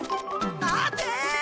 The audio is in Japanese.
待て！